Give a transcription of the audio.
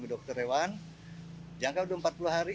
dokter hewan jangka udah empat puluh hari